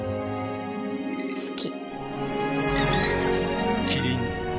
好き。